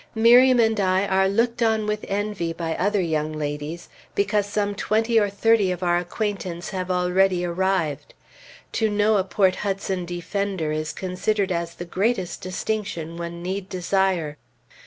Miriam and I are looked on with envy by other young ladies because some twenty or thirty of our acquaintance have already arrived. To know a Port Hudson defender is considered as the greatest distinction one need desire.